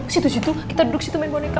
situs situ kita duduk situ main boneka